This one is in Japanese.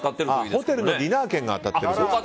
ホテルのディナー券が当たっているそうです。